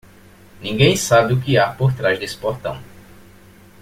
Ninguém sabe o que há por trás desse portão.